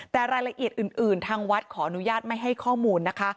แต่รายละเอียดอื่นทางวัดขออนุญาตไม่ให้ข้อมูลนะคะ